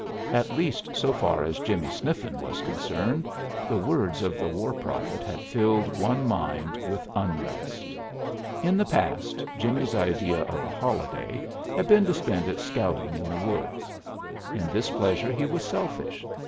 At least so far as Jimmie Sniffen was concerned, the words of the war prophet had filled one mind with unrest. In the past Jimmie's idea of a holiday had been to spend it scouting in the woods. In this pleasure he was selfish.